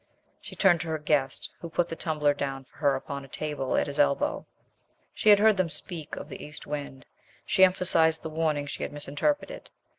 She turned to her guest, who put the tumbler down for her upon a table at his elbow. She had heard them speak of the east wind. She emphasized the warning she had misinterpreted.